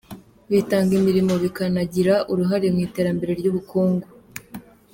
Bitanga imirimo bikanagira uruhare mu iterambere ry’ubukungu.